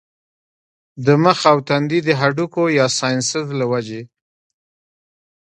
د مخ او تندي د هډوکو يا سائنسز له وجې